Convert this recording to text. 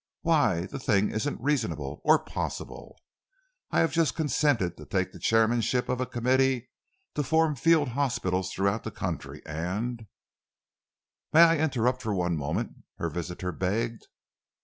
Why, the thing isn't reasonable or possible! I have just consented to take the chairmanship of a committee to form field hospitals throughout the country, and " "May I interrupt for one moment?" her visitor begged.